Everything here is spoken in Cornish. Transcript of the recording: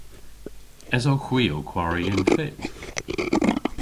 Esowgh hwi ow kwari y'n fytt?